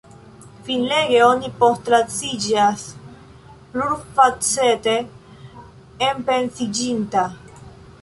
Finlege oni postlasiĝas plurfacete enpensiĝinta.